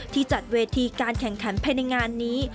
จัดเวทีการแข่งขันภายในงานนี้